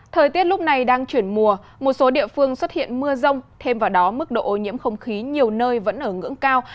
thời tiết lúc này đang chuyển mùa một số địa phương xuất hiện mưa rông thêm vào đó mức độ ô nhiễm không khí nhiều nơi vẫn ở ngưỡng cao